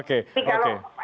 resim risma memang